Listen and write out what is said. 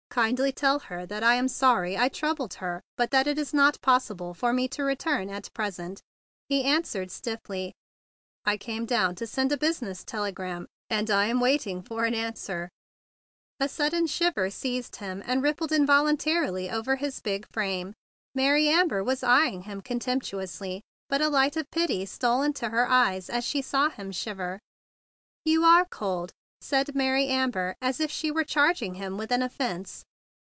"Kindly tell her that I am sorry I troubled her, but that it is not possible for me to return at present," he an¬ swered stiffly. "I came down to send a business telegram, and I am waiting for an answer." THE BIG BLUE SOLDIER 121 A sudden shiver seized him, and rip¬ pled involuntarily over his big frame. Mary Amber was eying him contempt¬ uously, but a light of pity stole into her eyes as she saw him shiver. "You are cold!" said Maiy Amber as if she were charging him with an offence.